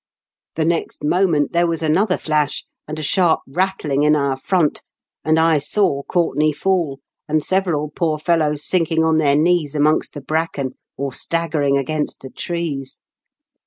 '^The next moment there was another flash, and a sharp rattling in our front, and I saw Courtenay fall, and several poor fellows sinking on their knees amongst the bracken, or staggering against the trees.